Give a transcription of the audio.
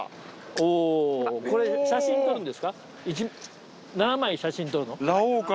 おぉこれ写真撮るんですか？